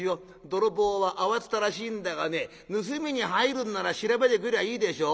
泥棒は慌てたらしいんだがね盗みに入るんなら調べてくりゃいいでしょ？